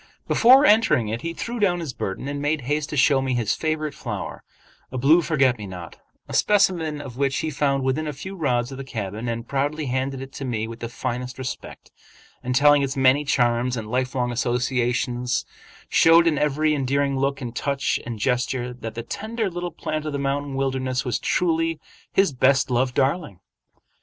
Before entering it he threw down his burden and made haste to show me his favorite flower, a blue forget me not, a specimen of which he found within a few rods of the cabin, and proudly handed it to me with the finest respect, and telling its many charms and lifelong associations, showed in every endearing look and touch and gesture that the tender little plant of the mountain wilderness was truly his best loved darling.